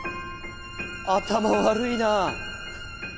頭悪いなぁ。